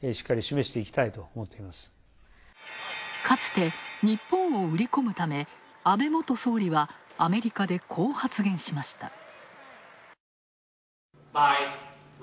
かつて日本を売り込むため安倍元総理は、アメリカでこう発言しました。